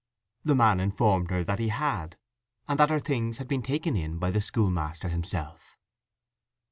The man informed her that he had, and that her things had been taken in by the schoolmaster himself.